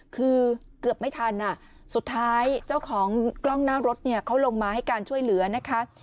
คือเกือบไม่ทันสุดท้ายเจ้าของกล้องหน้ารถเนี่ยเขาลงมาให้การช่วยเหลือนะคะ